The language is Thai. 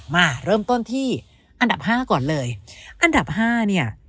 มาเริ่มต้นที่อันดับห้าก่อนเลยอันดับห้าเนี่ย